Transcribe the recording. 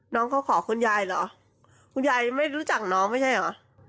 น้องเขาขอคุณยายเหรอคุณยายไม่รู้จักน้องไม่ใช่เหรอ